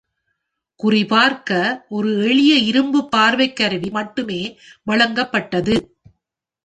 குறிபார்க்க ஒரு எளிய இரும்பு பார்வை கருவி மட்டுமே வழங்கப்பட்டது.